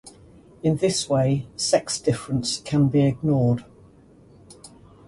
In this way, sex difference can be ignored.